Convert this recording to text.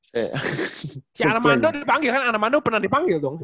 saya armando dipanggil kan armando pernah dipanggil dong